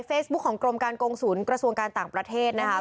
ของกรมการกงศูนย์กระทรวงการต่างประเทศนะคะ